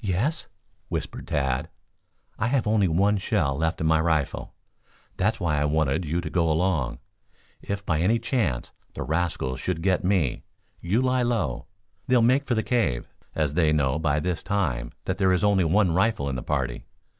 "Yes?" whispered Tad. "I have only one shell left in my rifle. That's why I wanted you to go along. If, by any chance, the rascals should get me, you lie low. They'll make for the cave, as they know, by this time, that there is only one rifle in the party.